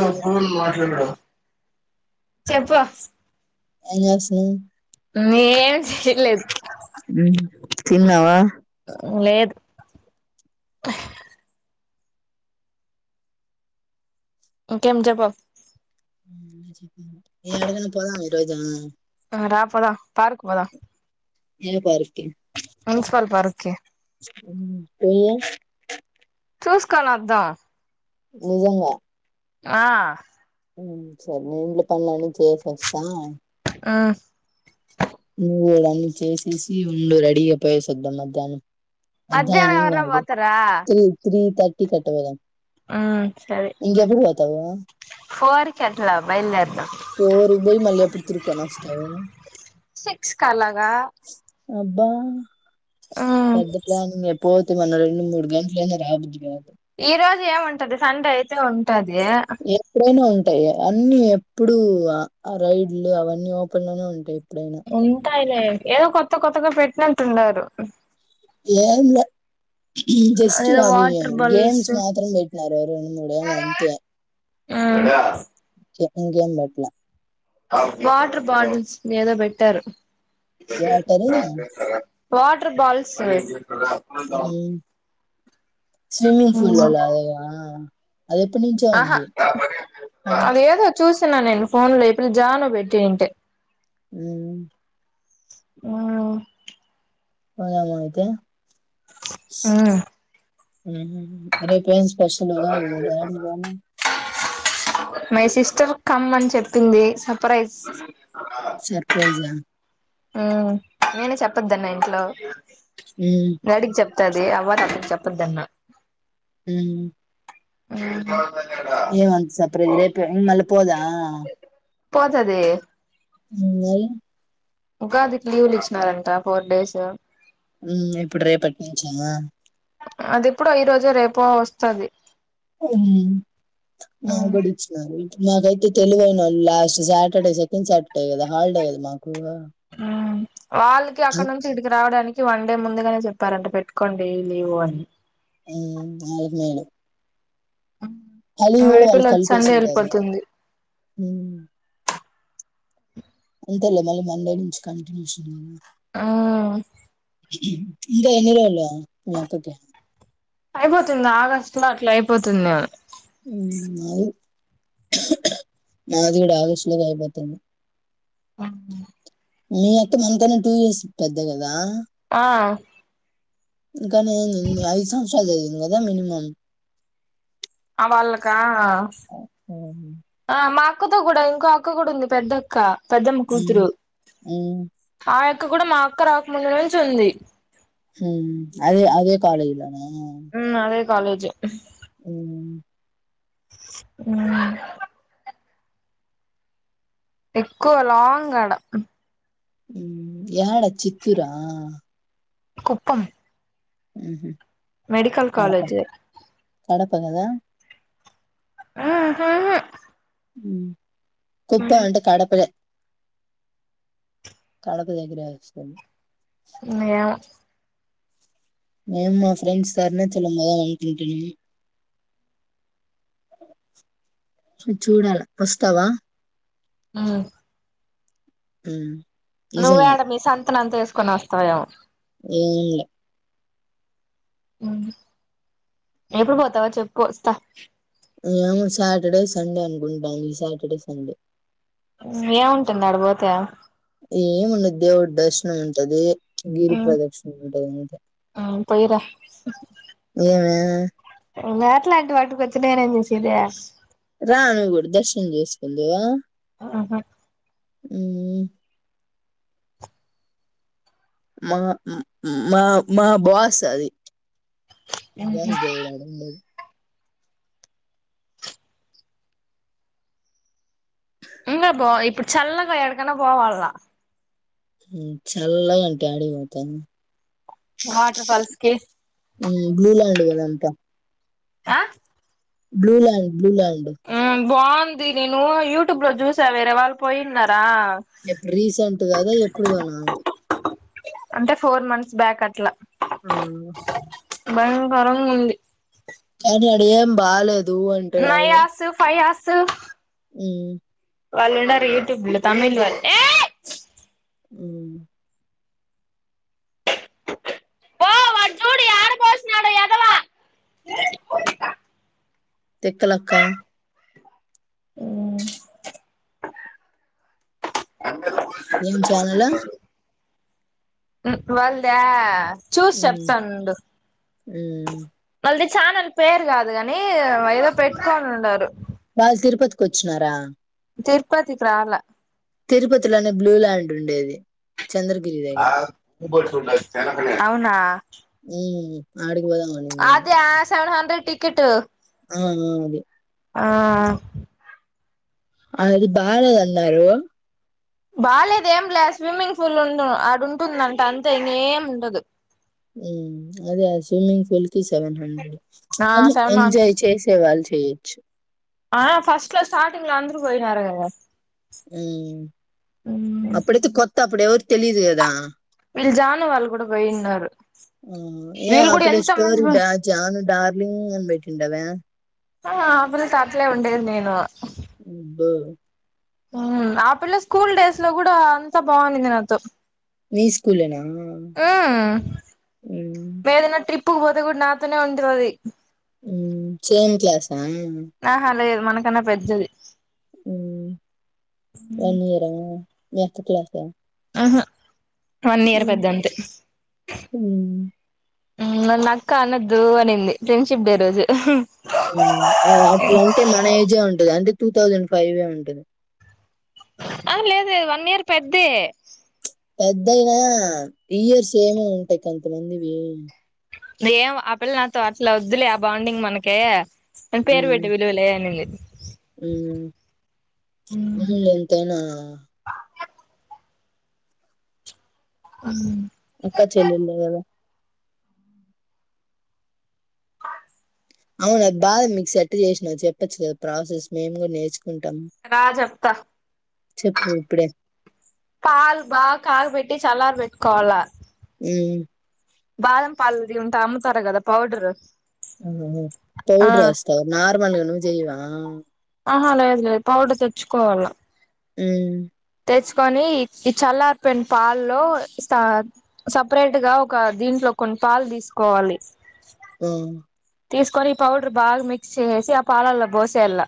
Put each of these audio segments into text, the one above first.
Hello phone మాట్లాడినాడు చెప్పు అనాస మేం ఏం చేయలేదు తిన్నావా లేదు ఇంకేం చెప్పు ఎడకన్నా పోదామా ఈరోోజు రాపోదాం పార్క్ కు పోదాం ఏ పార్క్ కి మున్సిపల్ పార్క్ కి మ్ పోదా చూసుకని వధాం నిజంగా ఆ మ్ సర పనని చేసస్ా ఆ నువ్వు కూడా అన్నీ చేసేసి ఉండు రెడీగా పోయేసద్ద్దాం మధ్యాహ్నం మధ్యాహ్నం మద్యాహ్నం ఎవరన్నా కాదు పోతారా త్రీ త్రీ త టిట్వ [unintelligible] మ్ సరే ఇంకెప్పుడు పోతావు ఫోర్ కి అట్లా బయలుదేరదాం కోరు బోయి మళ్ళప్పుడుతిరుకొని వస్తావు సిక్స్ క అలాగా అబ్బా మ్ పెద్ద ప్లాని ఎ పో మనోరంని ముడుగాట్లో రావాబదు ఈ రోజు ఏము ఉంటది సండే అయితే ఉంట కుట్టదే ఎప్పుడైనా ఉంటాయి అన్ని ఎప్పుడుూ రైడ్లు అవన్నీ ఓపెన్ లోనే ఉంటాయి డన్ లే ఏదో కొత్త కొత్తగా పెట్టినట్టున్నారు ఏం లే జస్ట్ ఏదో అవి వాటర్ బల్స్ గేమ్స్ మాత్రం పెట్టినారు రెండు మూడెమో అంతే ఆ ఇంకేం పెట్టలే వాటర్ బాటిల్స్ ఏదో పెట్టారు వాటరు వాటర్ బాల్స్ [unintelligible] హ్మ్. స్విమ్మింగ్ పూల్ లాగానే అది ఎప్పటి నుంచి ఆహా ఉంది అదేదో చూసిన నేను ఫోన్ లోపల్ జాను పెట్టింటే హు ఆ పదాలైతే హు హు రేపేంది స్పెషల్ [unintelligible] మై సిస్టర్ కమ్ అని చెప్పింది సర్ప్రైజ్ సర్ప్రైజ్ ఆ హా నేను చెప్పద్దన్న ఇంట్లో హ్మ్. డాడీకి చెప్తాది అవ చెప్తా తన హు జ సర్‌ప్రైజ్? రేపే ఇంగ మళ్ళ పోదా? పోతద ఉ ఇంకా అదికి లీవ్లు ఇచ్చినారంట ఫోర్ డేస్ ఇప్పుడు రేపటి నుంచేనా అది ఇప్పుడు ఈ రోజు రేపు వస్తుది మాబడిచ్చిన మాకైతే తెలుగైనోళు లాస్ట్ సాటర్డే సెకండ్ సాటర్డే కదా హాలిడే కద మాకు వాళ్ళకి అక్కడ నుంచి ఇక్కడికి రావడానికి వన్ డే ముందుగానే చెప్పారంట పెట్టుకోండి లీవ్ అని ఆల్మేలు కలి కూడా కూడా ఈ వాళ్ళు పిల్ల వచ్చి కలిపేసి సండే ఉంటారు వెళ్ళిపోతుంది హ అంతేలే మళ్ళీ మండే నుంచి కంటిన్యూ ఆ ఇందకా ఎన్నిరళ అయిబోతుంద ఆగస్ అట్లా అయిపోతుందేమో మాది మాదిగడ ఆగస్టు లోకి అయిపోతుంది ఆ మీ అక్క మనకనా టూ ఇయర్స్ పెద్ద కదా ఆ ఇంకా నేను ఐదు సంవత్సరాలు జరిగిను కదా మినిమం అ వాళ్క ఉమ్, మా అక్కతో కూడా ఇంకో అక్క కూడా ఉంది పెద్ద అక్క పదం ఉమ్, కూతురు ఉమ్, ఆయ అక్క కూడా మా అక్క రాకముందు నుంచి ఉంది హ అదే అదే కాలేజ్ ఆ కాాలేజ్ ఓ అ ఎక్కువ లాంగ్ అడ ఉ యాడ చిత్తూరా కుప్పం ఉ మెడికల్ కాలేజ్ పడప కదా హ్మ్ హ్మ్ హు మ్మ్ కుప్ప అంట కడపదే కడప దగ్గరే వస్తుంది హ్మ్ యా మేము మా ఫ్రెండ్స్ అరుణాచలం మొదాం అనుకుంటున్నాము చూడాల వస్తావా ఆ మ్మ్ నువ్వు ఎడ మీ సంత్ త్తనంత చేసుకొని వస్తావేమో ఏం ల్యా మ్మ్ ఎప్పుడు పోతావా చెప్పు వస్తా ఏమ సాటర్డే సండే అనుకుంటం సాటర్డే సండే మ్మ్ ఏం ఉంటుంది ఆడ పోతే ఏముండదు దేవుడి దర్శనం ఉంటది గిరి ఉమ్ ప్ర్రదక్షిణ ఉంటది అంతే స ఏమే నేట్లాంటి వాటికి వచ్చి నేనేం చేసేది రా ను్వు కూడా దర్శనం చేసుకుందివా ఆహ హ్మ్ హు మా మా మా బాస్ అది ఉహు బస్ దిగుడు ఆడుండేది ఇకా పో ఇప్పుడు చెల్లకయ ఎడుకనే పోవాలలా చల్గాంటిే ఆడిపోతాను వాటర్ ఫాల్స్ కి బ్లూల్యాండ్ వదా క ఆ బ్లూ ల్యాండ్ బ్లూ ల్యాండ్ ఉమ్ బాగుంది నేను యూట్యూబ్ లో చూసా వేరే వాళ్ళు పోయిన్నారా ఎప్పుడు రీసెంట్ కాదా ఎప్పుడుదోన అంటే ఫోర్ మంత్స్ బ్యాక్ అట్లా ఆ భయంకరంగా ఉంది కానీ అడి ఏం బాలేదు నై అసుఫై ఆ స్ సఫ్ [unintelligible] మ్మ్ వాళ్ళు ఉండారు యూట్యూబ్ లో తమిళ వళ్ల్ ఏ మ్మ్ పో వాడు చూడు యాడ పోసినాడో ఎదవ తెక్కలక్క ఏం జలాల వాల్ద చూసి చెప్తానుండు ఉమ్ వాళ్ళది ఛానెల్ పేరు కాదు కాని ఏదో పెట్టుకొని ఉన్నారు. వాళ్ళు తిరుపతికి వచ్చినారా? తిరుపతి ప్రాల తిరుపతిలోనే బ్లూ ల్యాండ్ ఉండేది. చంద్రగిరి దగ్గర. అవునా ఆడి అదే [unintelligible] సెవెన్ హండ్రెడ్ టికెట్టు ఆ అదే ఆ అ అది బాలేద్ అన్నారు. బాగాలేదు ఏం లేదు స్విమ్మింగ్ పూల్ ఉన్ను అడ ఉంటుందింట అంతే ఇంగ ఏం ఉండదు. ఉమ్ అదే అ స్విమ్మింగ్ పూల్ తీ సెవెన్ హండ్రెడ్, ఆ కానీ సెవెన్ హండ్రెడ్ ఎంజాయ్ చేసేవాల్ చే చు ఆ ఫస్ట్లో స్టార్టింగ్ లాండ్ నువ్ పోయినారు కథ ఉమ్ అప్పుడతే కొత్తా అప్పుడవరు తెలీదు కదా వీళ్ళు జాను వాళ్ళు కూడా పోయిన్నారు. హ్మ్ ఏం వీళ్ళు కూడా అప్పుడే ఎంత మంది స్టోరీ డా [unintelligible] ఆ అప్పుడు అయితే అట్లలే ఉండేది నేను అబ్బో ఉమ్ ఆ పిల్ల స్కూల్ డేస్ లో కూడా అంతా బాగునింది నాతో. మీ స్కూలనా? మ్మ్ ఉమ్ ఇప్పుడ్ పోతే కూడా నాతోనే ఉంటది ఆది. ఉమ్ సేమ్ క్లాస్ ఉమ్ ఆహా లేదు మనకన్నా పెద్దది ఉమ్ వన్ ఇయర్ ఆ మీ అక్క క్లాస్ ఆ [unintelligible] వన్ ఇయర్ పెద్దంతే హ్మ్ నన్ను అక్క అన్నద్దు అనింది ఫ్రెండ్షిప్ డే రోజు అట్లాంటే మన ఏజే ఉంటది అంటే టూ థౌజండ్ ఫైవే ఉంటుంది ఆ లేదు వన్ ఇయర్ పెద్ద పెద్దయినా ఇయర్స్ ఏమ ఉంటాయి కొంతమందివి ఏం ఆ పిల్ల నాతో అట్లా వద్దులే ఆ బాండింగ్ మనకే అం పేరు పెడ్ట విలువలయనిది అవును ఎంతనా అ క్కచేలుల్లోదవ అవున అది బాధ మీకు సెట్ చేసినా చెప్పచ్చు కదా ప్రాసెస్ మేము కూడా నేర్చు రాజప్త చెప్పు ఇప్పుడే పల్ బ కాల బెటిే చలార్ పెట్టుకోవాల అ బాదం పళది ఉంటే అమ్ముతారా కదా పౌడరు ఆ పౌడర్స్తా నా ప మండ జయవా ఆహా లేదు లేదు పౌడర్ తెచ్చుకోవాలం అ తెచ్చుకొని ఈ చల్లారిపోయిన పాల్లో సపరేట్ గా ఒక దీంట్లో కొన్ని పాలు తీసుకోవాలి అ తీసుకొని ఈ పౌడర్ బాగా మిక్స్ చేసేసి ఆ పాలల్లో బసేలా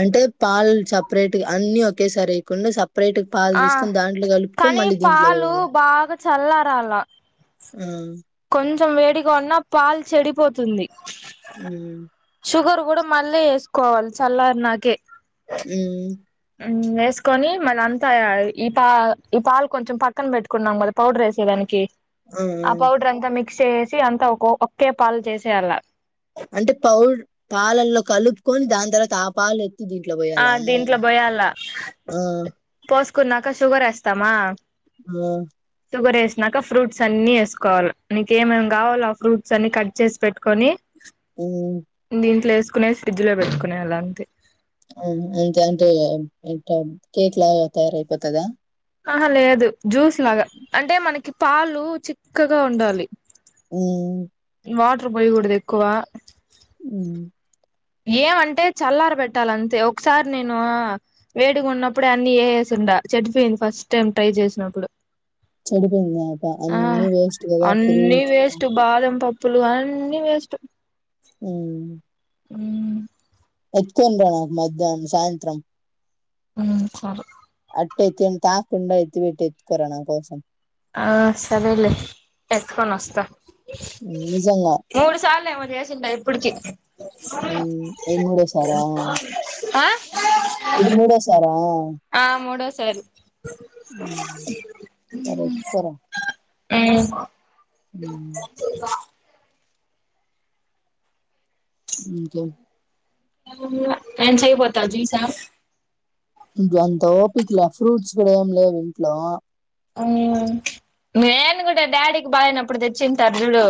అంటే పాల్ సపరేట్ అన్ని ఒకేసారివయకుండా సపే బయటకు పాలు ఆ తీసుకొని దాంట్లో కలుపుకొని కానీ మళ్ళీ దీంట్లో పాలు కాల బాగా చల్లారాల ఆ కొంచెం వేడిగా ఉన్నా పాల్ చెడిపోతుంది షుగర్ అ కూడా మళ్ళీ వేసుకోవాలి చల్లార్ నాకే మ్మ్ వేసుకొని మళ్ళీ అంత ఈ పా ఈ పాలు కొంచెం పక్కన పెట్టుకున్నాం మళ్ళీ పౌడర్ వేసేదానికి ఆ పౌడర్ అంతా మ చేసి అంత ఒక ఒకే పాలు చేసే అలా అంటే పౌడ్ పాలల్లో కలుపుకొని దాని తర్వాత ఆ పాలు దీంట్లో ఆ పోయాలా దీంట్లో పోయాలా ఆ పోస్ కున్నాక షుగర్ వేస్తామా ఆ షుగర్ వేసినాక ఫ్రూట్స్ అన్ని వేసుకోవాలి నీక ఏమేమి కావాలో ఆ ఫ్రూట్స్ అన్ని కట్ చేసి పెట్టుకొని మ్మ్ దీం ప్లేస్ కునే ఫ్రిడ్జ్ లో పెట్టుకునే అలాంటిే అంతే అంటే కేక్ లా తయారయిపోతుందా ఆహ లేదు జ్యూస్ లాగా అంటే మనకి పాలు చిక్కగా ఉండాలి అ వాటర్ పోయకూడదు ఎక్కువ హ్మ్. ఏమ అంటే చల్లారి పెట్టాలి అంతే ఒకసారి నేను వేడిగా ఉన్నప్పుడే అన్ని వ వేసిడా చెడిపోయింది ఫస్ట్ టైం ట్రై చేసినప్పుడు చెడిపోయిందిప ఆ అన్ని వేస్ట్ కదా ఫ్రూట్స్ పులువన్నీ వేస్ట్ ఉ హ ఎత్కొని రాకు మధ్యాహ్నం సాయంత్రం ఉ సర అట్ట యితి అంత తాకుండా అయిత్ బట్ ఎత్కోరరా నాం కోసం ఆ సరేలే ఎట్కని వస్తా హ్మ్. నిజంగా. మూడు సాల మ అభ్యాసంంట ఎప్పటికకి ఊ ఇది మూడో సారా ఆ ఆ మూడో సారి సరేపోరా ఊ ఊ ఇంకే మ్ ట్రాన్సి అయిపోత జ్యూస్ హా అంత ఓపికలా ఫ్రూట్స్ కూడా ఏం లేవు ఇంట్లో నేను కూడా డాడీకి బాగాలేనప్పుడు తెచ్చి ఉంటారు చూడు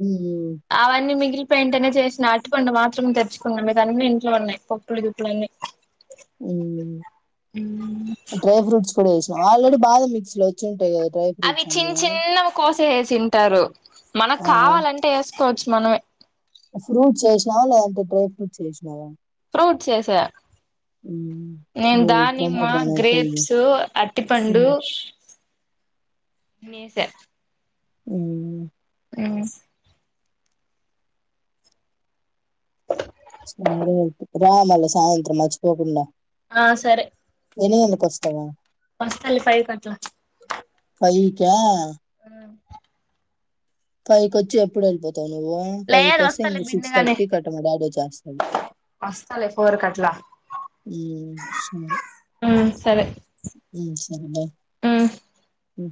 హ్మ్. అవన్ని మగిలిపో వెంటనే చేసినా అరటి పండు మాత్రం తెచుకున్నా మిగతా అన్ని ఇంట్లో ఉన్నాయి పప్పులు గి ప్పులన్నీ హు డ్రై ఫ్రూట్స్ కూడా ఏసావా ఆల్రెడీ బాధ మిక్సీ లో వచ్చి ఉంటాయి డ్రై అవి ఫ్రూట్స్ అన్ని చిన్న చిన్న కోసి వేసా తింటారు మనకు ఆ కావాలంటే యేసు కోచ్చు మనమే ఫ్రూట్స్ వేసినావా లేదంటే డ్రై ఫ్రూట్స్ ఎసినావా ఫ్రూట్స్ వేసా మ్మ్. నేను ఇవి దానిమ్మ ఇవి గ్రేప్స్ అటిపండు మ్మ్. అన్ని ఎసా హు ఊ సరే అయితే రా మల్ల సాయంత్రం మర్చిపోకుండా ఆ సరే ఎన్ని గంటలకు ఒస్తావు వస్తలే ఫైవ్ కట్ల ఫైవ్ క్యా పైకి వచ్చి ఎప్పుడు వెళ్ళిపోతావ్ వస్తావానువ్వు ఫైవ్ లేదు ఫైవ్ వస్తే వస్తాలే సిక్స్ బిన్నగానే థర్టీ కట్ట మా బాబు వచ్చేస్తాడు వస్తాలే ఫోర్ కట్లా ఉహు సరే సరే సరే బ ఊ